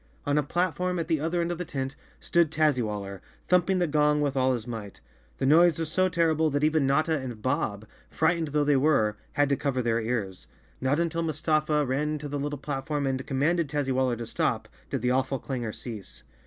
On a platform at the other end of the tent stood Tazzywaller, thumping the gong with all his might. The noise was so terrible that even Notta and Bob, frightened though they were, had to cover their ears. Not until Mustafa ran to the little platform and commanded Tazzywaller to stop, did the awful clangor cease.